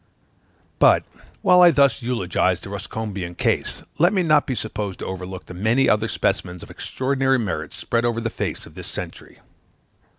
But, whilst I thus eulogize the Ruscombian case, let me not be supposed to overlook the many other specimens of extraordinary merit spread over the face of this century.